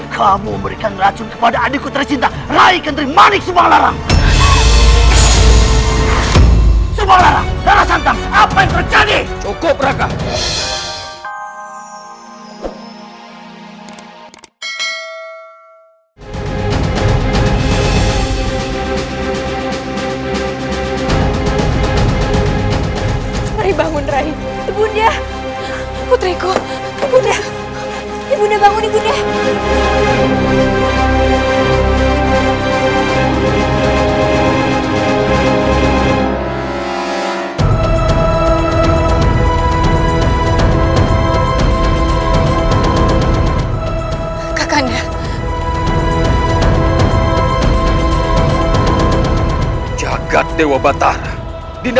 sampai jumpa di video selanjutnya